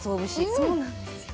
そうなんですよ。